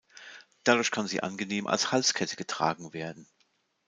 Dadurch kann sie angenehm als Halskette getragen werden.